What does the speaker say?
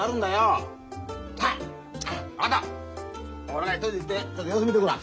俺が一人で行ってちょっと様子見てくらあ。